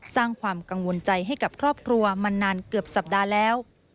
สร้างความกังวลใจให้กับครอบครัวมานานเกือบสัปดาห์แล้ว